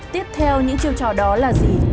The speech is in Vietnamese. tiếp theo những chiêu trò đó là gì